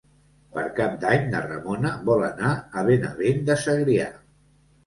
Per Cap d'Any na Ramona vol anar a Benavent de Segrià.